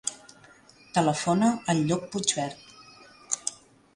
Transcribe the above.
Telefona al Lluc Puigvert.